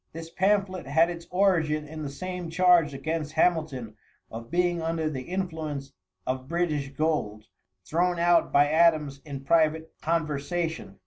This pamphlet had its origin in the same charge against Hamilton of being under the influence of British gold, thrown out by Adams in private conversation.